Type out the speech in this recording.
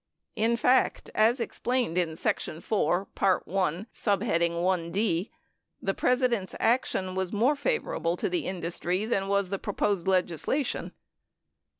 (In fact, as explained in section IV.I.ld, the President's action was more favorable to the industry than was the proposed legislation.)